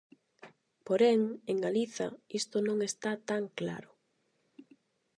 Porén, en Galiza, isto non está tan claro.